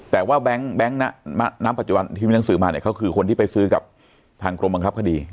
แต่ว่าแบงค์ณปัจจุบันที่มีหนังสือมาเนี่ยเขาคือคนที่ไปซื้อกับทางกรมบังคับคดี